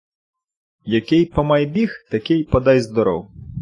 Який «помайбіг», такий «подайздоров».